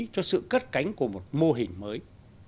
cho sự cất cánh của một mô hình mới